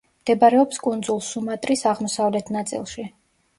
მდებარეობს კუნძულ სუმატრის აღმოსავლეთ ნაწილში.